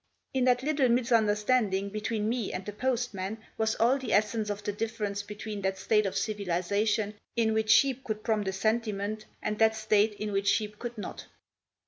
In that little misunderstanding between me and the postman was all the essence of the difference between that state of civilisation in which sheep could prompt a sentiment, and that state in which sheep could not.